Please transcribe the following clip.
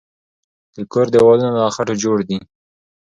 د کور دیوالونه له خټو جوړ دی.